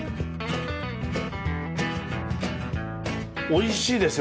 おいしいですよ